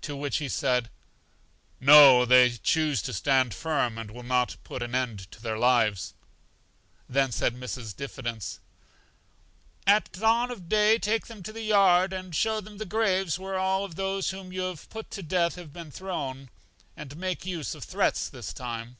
To which he said: No; they choose to stand firm, and will not put an end to their lives. Then said Mrs. Diffidence: At dawn of day take them to the yard, and show them the graves where all those whom you have put to death have been thrown, and make use of threats this time.